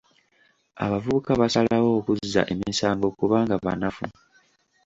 Abavubuka basalawo okuzza emisango kubanga banafu.